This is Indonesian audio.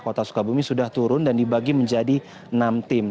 kapal kabupaten sabunim sudah turun dan dibagi menjadi enam tim